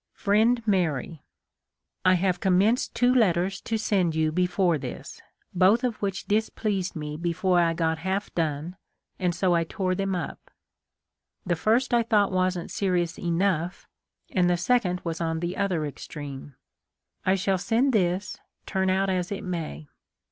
Friend Mary :" I have commenced two letters to send you before this, both of which displeased me before I got half done, and so I tore them up. The first I thought wasn't serious enough, and the second was on the other extreme. I shall send this, turn out as it may.